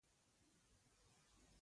زردالو هر سړی خوښوي.